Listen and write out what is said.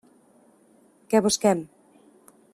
Què busquem?